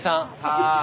はい。